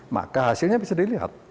maka hasilnya bisa dilihat